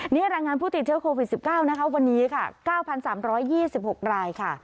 นี่รายงานผู้ติดเชื้อโควิด๑๙นะคะวันนี้ค่ะ๙๓๒๖รายค่ะ